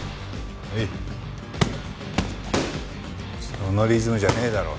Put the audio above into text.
そのリズムじゃねえだろ。